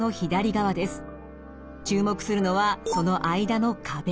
注目するのはその間の壁。